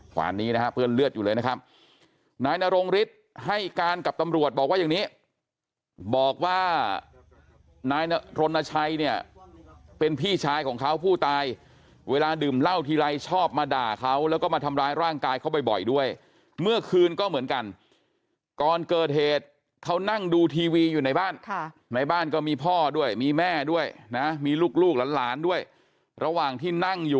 ขวานนี้นะฮะเพื่อนเลือดอยู่เลยนะครับนายนรงฤทธิ์ให้การกับตำรวจบอกว่าอย่างนี้บอกว่านายรณชัยเนี่ยเป็นพี่ชายของเขาผู้ตายเวลาดื่มเหล้าทีไรชอบมาด่าเขาแล้วก็มาทำร้ายร่างกายเขาบ่อยด้วยเมื่อคืนก็เหมือนกันก่อนเกิดเหตุเขานั่งดูทีวีอยู่ในบ้านในบ้านก็มีพ่อด้วยมีแม่ด้วยนะมีลูกหลานด้วยระหว่างที่นั่งอยู่